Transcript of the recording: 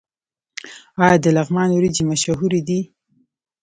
آیا د لغمان وریجې مشهورې دي؟